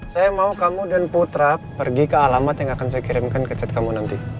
saya mau kamu dan putra pergi ke alamat yang akan saya kirimkan ke chat kamu nanti